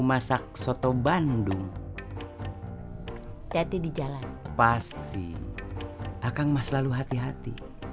masak soto bandung jadi di jalan pasti akan mas lalu hati hati